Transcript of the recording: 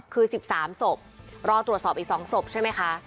คือ๑๓ศพรอตรวจสอบอีก๒ศพใช่ไหมคะ